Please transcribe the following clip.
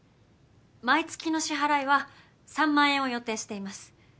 毎月の支払いは３万円を予定しています。